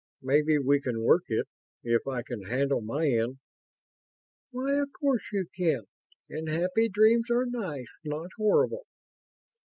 "Maybe we can work it if I can handle my end." "Why, of course you can! And happy dreams are nice, not horrible."